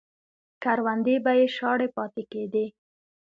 کروندې به یې شاړې پاتې کېدې.